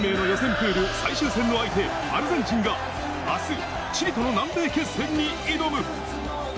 プール最終戦の相手、アルゼンチンがあす、チリとの南米決戦に挑む。